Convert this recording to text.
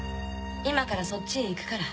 今からそっちへ行くから。